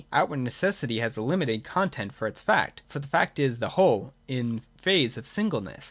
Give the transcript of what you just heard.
Outward necessity has a limited content for its fact. For the fact is this whole, in phase of singleness.